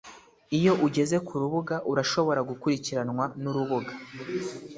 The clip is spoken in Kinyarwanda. Iyo ugeze kurubuga urashobora gukurikiranwa nurubuga